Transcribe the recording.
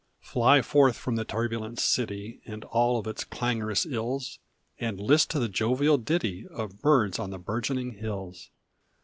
Fly forth from the turbulent city And all of its clangorous ills, And list to the jovial ditty Of birds on the burgeoning hills.